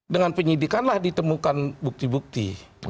dengan penyidikan lah ditemukan bukti bukti